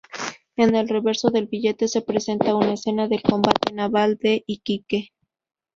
En el reverso del billete se presenta una escena del combate naval de Iquique.